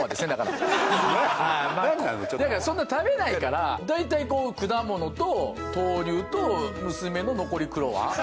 だからそんな食べないから大体果物と豆乳と娘の残りクロワ。